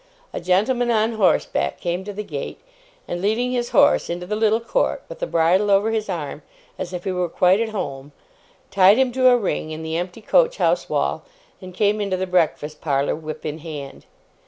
A gentleman on horseback came to the gate, and leading his horse into the little court, with the bridle over his arm, as if he were quite at home, tied him to a ring in the empty coach house wall, and came into the breakfast parlour, whip in hand.